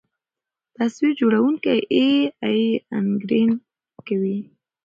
تصویر جوړوونکی اې ای انګېرنه کوي.